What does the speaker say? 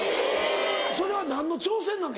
それは何の挑戦なの？